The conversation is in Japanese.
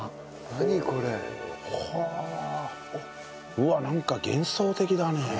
うわっなんか幻想的だね。